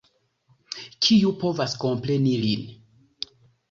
Kiu povas kompreni lin!